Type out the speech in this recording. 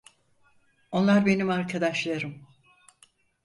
Onlar benim arkadaşlarım.